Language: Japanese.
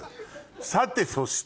さてそして。